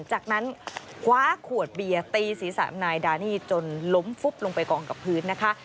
จากนั้นคว้าขวดเบียร์ตีศีรษะนายดานี่จนล้มฟุบลงไปกองกับพื้นนะคะ